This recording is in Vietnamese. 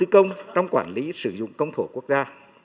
công trong quản lý sử dụng công thủ quốc gia